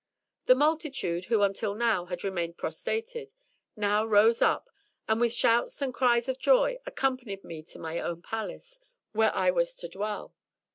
The multitude, who until now had remained prostrated, now rose up, and with shouts and cries of joy, accompanied me to my own palace, where I was to dwell.